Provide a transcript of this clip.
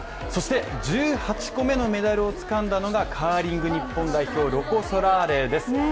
そして１８個目のメダルを獲得したのがカーリング日本代表ロコ・ソラーレです。